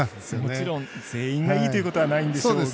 もちろん、全員がいいということはないんでしょうが。